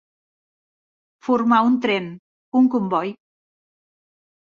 Formar un tren, un comboi.